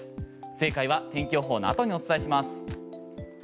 正解は天気予報の後にお伝えします。